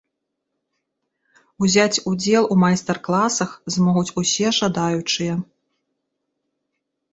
Узяць удзел у майстар-класах змогуць усе жадаючыя.